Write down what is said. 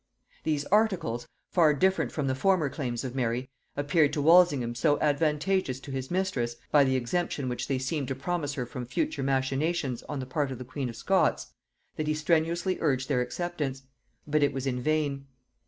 These articles, far different from the former claims of Mary, appeared to Walsingham so advantageous to his mistress, by the exemption which they seemed to promise her from future machinations on the part of the queen of Scots, that he strenuously urged their acceptance; but it was in vain.